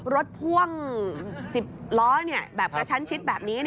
พ่วง๑๐ล้อแบบกระชั้นชิดแบบนี้